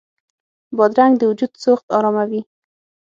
بادرنګ د وجود سوخت اراموي.